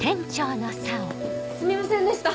すみませんでした！